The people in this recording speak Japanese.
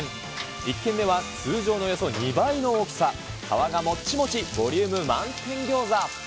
１軒目は通常のおよそ２倍の大きさ、皮がもっちもち、ボリューム満点餃子。